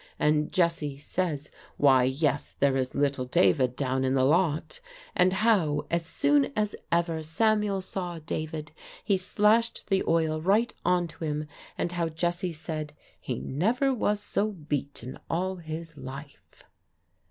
and Jesse says, "Why, yes, there is little David down in the lot;" and how, as soon as ever Samuel saw David, "he slashed the oil right on to him;" and how Jesse said "he never was so beat in all his life."